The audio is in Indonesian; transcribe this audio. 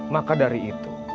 maka dari itu